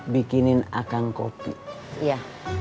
bikinin akan kopi ya